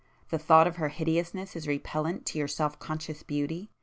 —the [p 365] thought of her hideousness is repellent to your self conscious beauty?